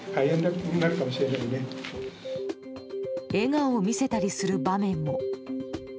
笑顔を見せたりする場面も。